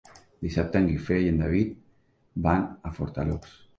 Dissabte en Guifré i en David van a Fornalutx.